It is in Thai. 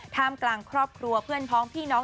กลางครอบครัวเพื่อนพ้องพี่น้อง